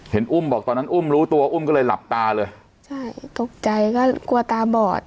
อุ้มบอกตอนนั้นอุ้มรู้ตัวอุ้มก็เลยหลับตาเลยใช่ตกใจก็กลัวตาบอด